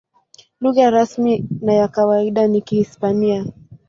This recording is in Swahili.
Lugha rasmi na ya kawaida ni Kihispania.